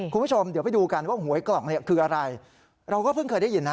คุณผู้ชมเดี๋ยวไปดูกันว่าหวยกล่องเนี่ยคืออะไรเราก็เพิ่งเคยได้ยินนะ